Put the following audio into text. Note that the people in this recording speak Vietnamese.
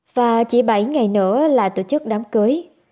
và chỉ bảy ngày nữa là tổ chức đám cưới